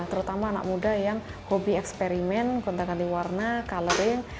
terutama anak muda yang hobi eksperimen kontak anti warna coloring